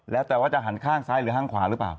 แล้วแต่ว่าจะหันข้างซ้ายหรือข้างขวาหรือเปล่า